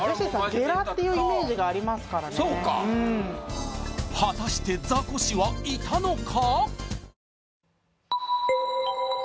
ゲラっていうイメージがありますからね果たしてザコシはいたのか？